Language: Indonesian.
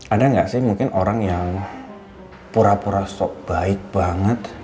ada nggak sih mungkin orang yang pura pura sok baik banget